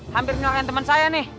hampir minum yang temen saya nih